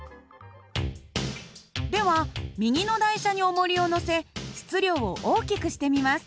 では右の台車におもりを載せ質量を大きくしてみます。